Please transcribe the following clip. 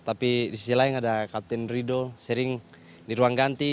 tapi di sisi lain ada kapten ridho sering di ruang ganti